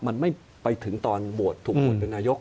มันไม่ไปถึงตอนบวชถูกหวดเรือนนายก